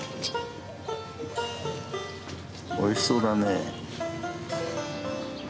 おいしそうだね。